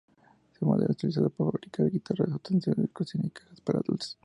Su madera es utilizada para fabricar guitarras, utensilios de cocina y cajas para dulces.